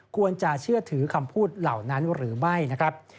ควรจะเชื่อถือคำพูดเหล่านั้นหรือไม่นะครับ